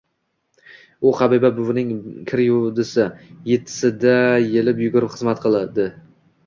U Habiba buvining kir yuvdisi, yettisida yelib yugurib xizmat qildi.